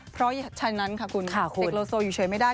เพราะฉะนั้นค่ะคุณเสกโลโซอยู่เฉยไม่ได้